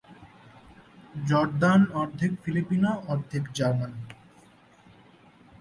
Jordan অর্ধেক Filipino, অর্ধেক German.